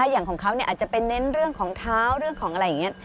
อย่างของเขาอาจจะเป็นเน้นเรื่องของเท้าเรื่องของอะไรอย่างนี้